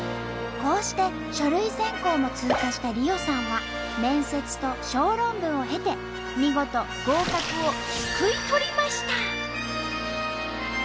こうして書類選考も通過した莉緒さんは面接と小論文を経て見事合格をすくい取りました！